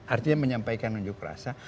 artinya menyampaikan nunjuk rasa